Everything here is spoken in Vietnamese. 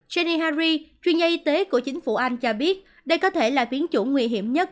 serihari chuyên gia y tế của chính phủ anh cho biết đây có thể là biến chủng nguy hiểm nhất